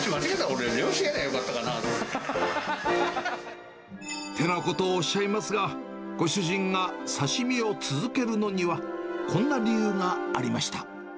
俺、てなことをおっしゃいますが、ご主人が刺身を続けるのには、こんな理由がありました。